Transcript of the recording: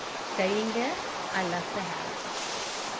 Saying this, I left the house.